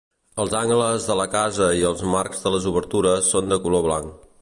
Els angles de la casa i els marcs de les obertures són de color blanc.